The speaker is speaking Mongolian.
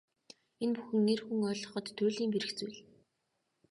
Энэ бүхэн эр хүн ойлгоход туйлын бэрх зүйл.